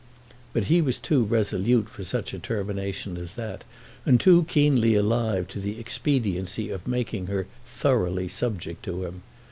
But he was too resolute for such a termination as that, and too keenly alive to the expediency of making her thoroughly subject to him.